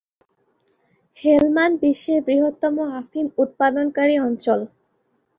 হেলমান্দ বিশ্বের বৃহত্তম আফিম-উৎপাদনকারী অঞ্চল।